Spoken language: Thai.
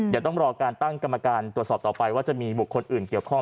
เดี๋ยวต้องรอการตั้งกรรมการตรวจสอบต่อไปว่าจะมีบุคคลอื่นเกี่ยวข้อง